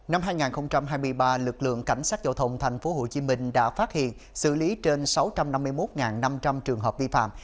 năm hai nghìn hai mươi ba lực lượng cảnh sát giao thông tp hcm đã phát hiện xử lý trên sáu trăm năm mươi một năm trăm linh trường hợp vi phạm